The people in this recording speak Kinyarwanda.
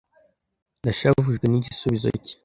Nashavujwe n'igisubizo cye.